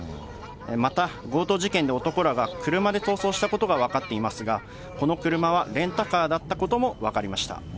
また、強盗事件で男らが車で逃走したことが分かっていますが、この車はレンタカーだったことも分かりました。